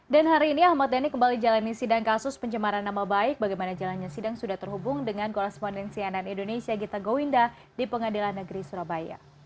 dan hari ini ahmad dhani kembali jalani sidang kasus pencemaran nama baik bagaimana jalannya sidang sudah terhubung dengan korrespondensi anan indonesia gita gowinda di pengadilan negeri surabaya